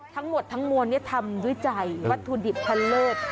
ทั้งหมดทั้งมวลทำวิจัยวัตถุดิบพันเลิศ